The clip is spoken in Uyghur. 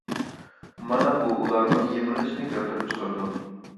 مانا بۇ ئۇلارنىڭ يىمىرىلىشىنى كەلتۈرۈپ چىقىرىدۇ.